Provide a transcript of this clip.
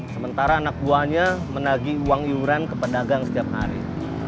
sementara anak buahnya menagi uang iuran ke pedagang setiap hari